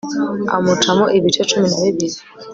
amucamo ibice cumi na bibiri